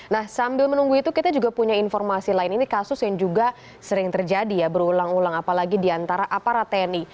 nah sambil menunggu itu kita juga punya informasi lain ini kasus yang juga sering terjadi ya berulang ulang apalagi di antara aparat tni